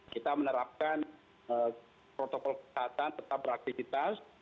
kita menerapkan protokol kehatan tetap beraktifitas